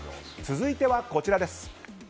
続いてはこちら。